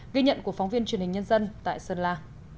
ghi nhận của phóng viên truyền hình nhân dân tại sơn la